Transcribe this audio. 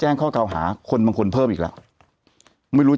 เหมือนกับเรามานั่งวิเคราะห์กันเองไม่ใช่นะ